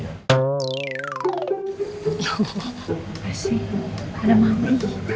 makasih ada mama juga